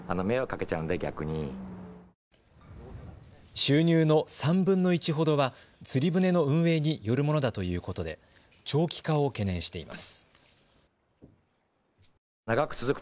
収入の３分の１ほどは釣り船の運営によるものだということで長期化を懸念しています。